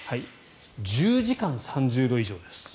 １０時間、３０度以上です。